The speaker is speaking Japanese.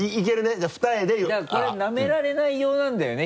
じゃあ二重からだからこれなめられない用なんだよね？